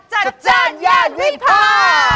จัดจ้านย่านวิพา